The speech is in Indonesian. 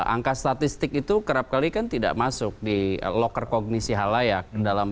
angka statistik itu kerap kali kan tidak masuk di loker kognisi halayak